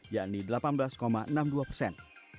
yakni delapan belas enam puluh dua persen